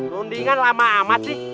rundingan lama amat sih